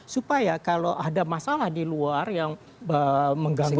supaya kalau ada masalah di luar yang mengganggu